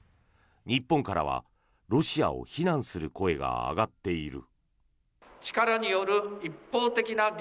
日本からはロシアを非難する声が上がっている。